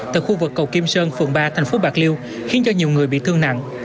tại khu vực cầu kim sơn phường ba thành phố bạc liêu khiến cho nhiều người bị thương nặng